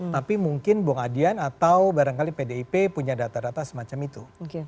tapi mungkin bung adian atau barangkali pdip punya data data semacam itu